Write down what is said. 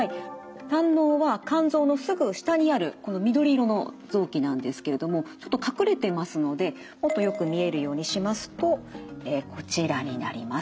胆のうは肝臓のすぐ下にあるこの緑色の臓器なんですけれどもちょっと隠れてますのでもっとよく見えるようにしますとこちらになります。